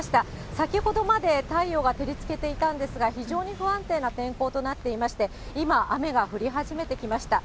先ほどまで太陽が照りつけていたんですが、非常に不安定な天候となっていまして、今、雨が降り始めてきました。